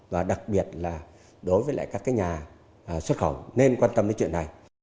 và đặc biệt là đối với các nhà xuất khẩu nên quan tâm đến chuyện này